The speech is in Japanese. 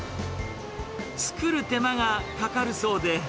作る手間がかかるそうで。